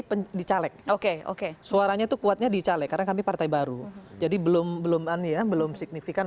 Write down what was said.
penjual oke oke suaranya tuh kuatnya di caleg kami partai baru jadi belum belum anian belum signifikan